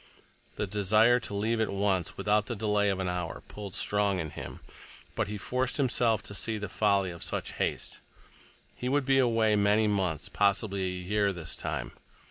The desire to leave at once, without the delay of an hour, pulled strong in him, but he forced himself to see the folly of such haste. He would be away many months, possibly a year this time.